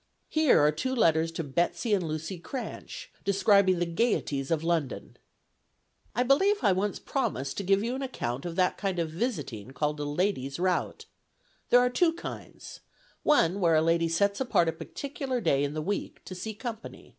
Here are two letters to Betsey and Lucy Cranch, describing the gayeties of London: "I believe I once promised to give you an account of that kind of visiting called a ladies' rout. There are two kinds; one where a lady sets apart a particular day in the week to see company.